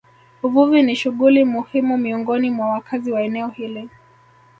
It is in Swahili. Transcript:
Uvuvi ni shughuli muhimu miongoni mwa wakazi wa eneo hili